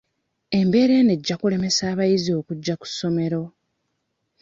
Embeera eno ejja kulemesa abayizi okujja ku ssomero.